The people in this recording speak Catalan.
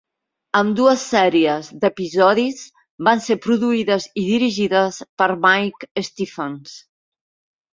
Ambdues sèries d'episodis van ser produïdes i dirigides per Mike Stephens.